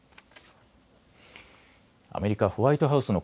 アメリカ、ホワイトハウスの